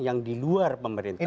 yang di luar pemerintahan